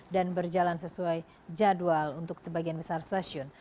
berjalan sesuai jadwal untuk sebagian besar stasiun